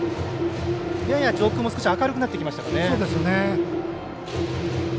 やや上空も少し明るくなってきました。